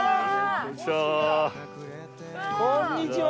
こんにちは。